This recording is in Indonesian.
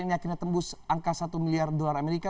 ini akhirnya tembus angka satu miliar dolar amerika